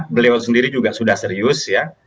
beliau sendiri juga sudah serius ya